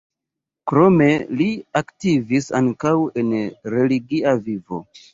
Krome li aktivis ankaŭ en religia vivo.